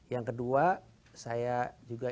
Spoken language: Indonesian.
yang kedua saya juga